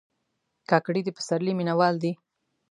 کاکړي د پسرلي مینهوال دي.